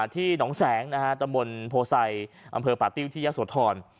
ที่หนองแสงนะฮะตะบนโพไซอำเภอป่าติ้วที่ยักษ์สวทร